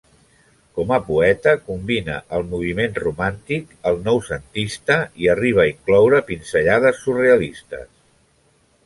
Com a poeta combina el moviment romàntic, el noucentista i arriba a incloure pinzellades surrealistes.